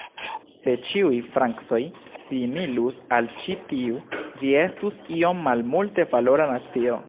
Se ĉiuj Francoj similus al ĉi tiu, vi estus iom malmulte-valora nacio.